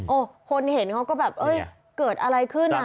คนเห็นเขาก็แบบเอ้ยเกิดอะไรขึ้นอ่ะ